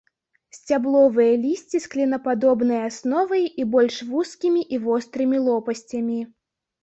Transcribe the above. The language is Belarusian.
Сцябловае лісце з клінападобнай асновай і больш вузкімі і вострымі лопасцямі.